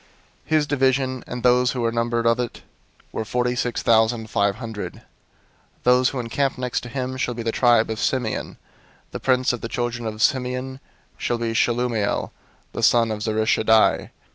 002:011 His division, and those who were numbered of it, were forty six thousand five hundred. 002:012 "Those who encamp next to him shall be the tribe of Simeon. The prince of the children of Simeon shall be Shelumiel the son of Zurishaddai.